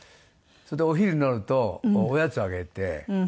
それでお昼になるとおやつあげて。